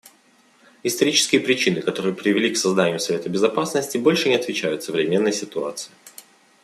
Исторические причины, которые привели к созданию Совета Безопасности, больше не отвечают современной ситуации.